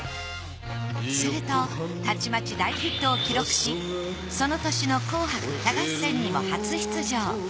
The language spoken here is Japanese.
するとたちまち大ヒットを記録しその年の「紅白歌合戦」にも初出場。